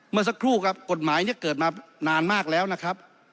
เมื่อสักครู่ครับกฎหมายเนี่ยเกิดมานานมากแล้วนะครับ